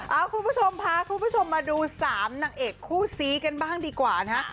เอาคุณผู้ชมพาคุณผู้ชมมาดู๓นางเอกคู่ซีกันบ้างดีกว่านะฮะ